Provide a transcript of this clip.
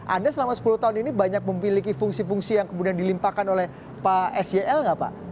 anda selama sepuluh tahun ini banyak memiliki fungsi fungsi yang kemudian dilimpahkan oleh pak sel nggak pak